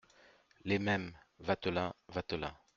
Les Mêmes, Vatelin Vatelin .